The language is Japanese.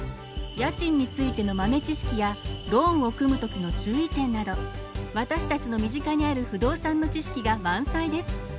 家賃についての豆知識やローンを組む時の注意点など私たちの身近にある不動産の知識が満載です。